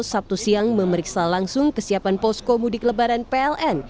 sabtu siang memeriksa langsung kesiapan posko mudik lebaran pln